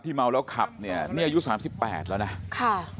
ที่เมาแล้วขับเนี่ยนี่อายุ๓๘แล้วนะ